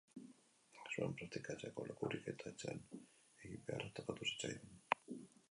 Ez zuen praktikatzeko lekurik eta etxean egin beharra tokatu zitzaion.